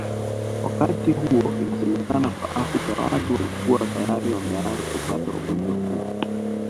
wakati huo inasemekana kwa Afrika watu walikua tayari wameanza kupata ugonjwa huu